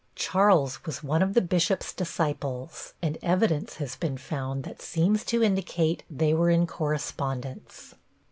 Charles was one of the bishop's disciples and evidence has been found that seems to indicate they were in correspondence.